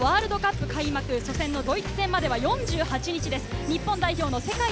いよいよワールドカップ開幕の初戦のドイツ戦までは、４８日です。